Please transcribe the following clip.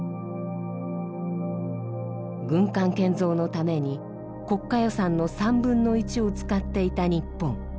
軍艦建造のために国家予算の1/3を使っていた日本。